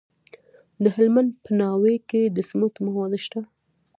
د هلمند په ناوې کې د سمنټو مواد شته.